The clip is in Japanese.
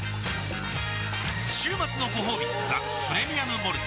週末のごほうび「ザ・プレミアム・モルツ」